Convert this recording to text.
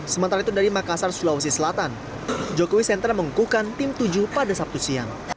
sementara itu dari makassar sulawesi selatan jokowi center mengukuhkan tim tujuh pada sabtu siang